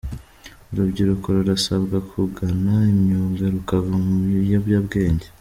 Urubyiruko rurasabwa kugana imyuga rukava mu biyobyabwenge